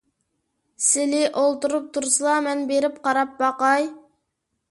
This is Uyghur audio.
سىلى ئولتۇرۇپ تۇرسىلا، مەن بېرىپ قاراپ باقاي.